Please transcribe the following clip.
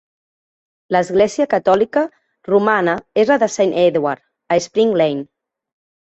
L'església catòlica romana és la de Saint Edward, a Spring Lane.